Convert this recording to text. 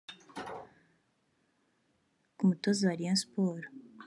Ku mutoza wa Rayon Sports